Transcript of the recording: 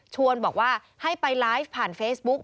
บอกว่าให้ไปไลฟ์ผ่านเฟซบุ๊ก